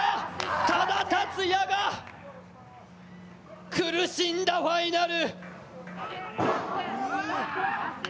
多田竜也が苦しんだファイナル。